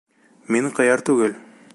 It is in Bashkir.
— Мин ҡыяр түгел.